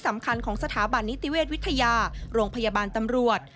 สำคัญของสถาบันนิติเวชวิทยาโรงพยาบาลตำรวจ